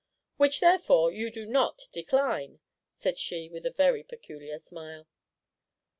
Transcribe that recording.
"Which, therefore, you do not decline," said she, with a very peculiar smile.